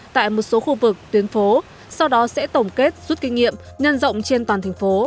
tại một số khu vực tuyến phố sau đó sẽ tổng kết rút kinh nghiệm nhân rộng trên toàn thành phố